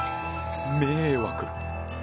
「迷惑」。